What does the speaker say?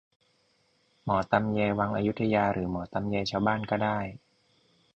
หมอตำแยวังอยุธยาหรือหมอตำแยชาวบ้านก็ได้